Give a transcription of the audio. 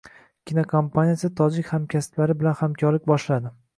Kinokompaniyasi tojik hamkasblari bilan hamkorlik boshladi